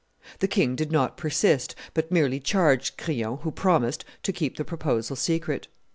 The king did not persist, but merely charged Crillon, who promised, to keep the proposal secret.